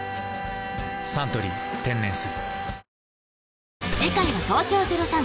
「サントリー天然水」